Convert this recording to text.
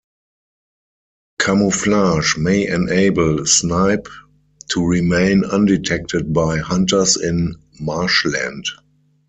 Camouflage may enable snipe to remain undetected by hunters in marshland.